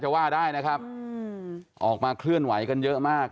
ว่าได้นะครับออกมาเคลื่อนไหวกันเยอะมาก